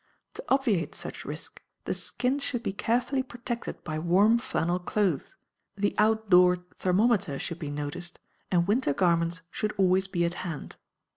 To obviate such risk the skin should be carefully protected by warm flannel clothes, the outdoor thermometer should be noticed and winter garments should always be at hand.